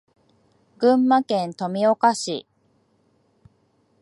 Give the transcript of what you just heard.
群馬県富岡市